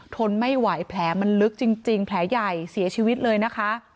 ทนไม่ไหวแผลมันลึกจริงแผลใหญ่เสียชีวิตเลยนะคะ